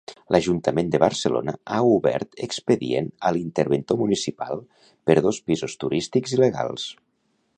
L'Ajuntament de Barcelona ha obert expedient a l'interventor municipal per dos pisos turístics il·legals.